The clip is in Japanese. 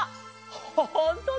ほんとだ！